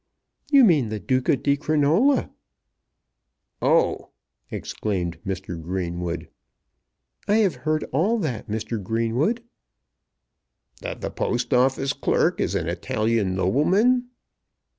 "You mean the Duca di Crinola!" "Oh," exclaimed Mr. Greenwood. "I have heard all that, Mr. Greenwood." "That the Post Office clerk is an Italian nobleman?"